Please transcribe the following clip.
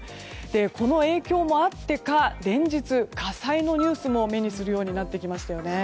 この影響もあってか連日、火災のニュースも目にするようになってきましたよね。